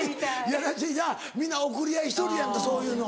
皆送り合いしとるやんかそういうの。